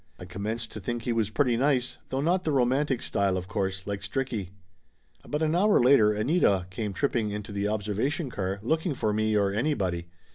I commenced to think he was pretty nice, though not the romantic style, of course, like Stricky. About an hour later Anita came tripping into the observation car, looking for me or anybody.